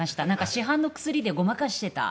市販の薬でごまかしていた。